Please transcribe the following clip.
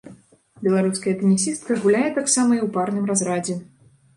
Беларуская тэнісістка гуляе таксама і ў парным разрадзе.